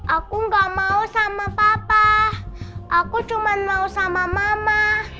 aku gak mau sama papa aku cuma mau sama mama